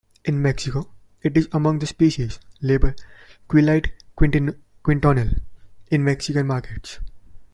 In Mexico, it is among the species labelled "Quelite quintonil" in Mexican markets.